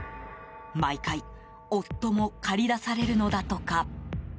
毎回夫も駆り出されるのだとか。